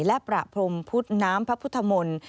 และประพรมพุทธน้ำพระพุทธมนตร์